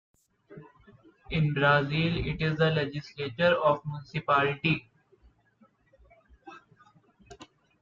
In Brazil, it is the legislature of a municipality.